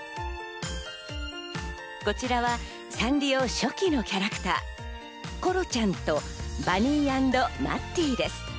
こちらはサンリオ初期のキャラクター、コロちゃんとバニー＆マッティです。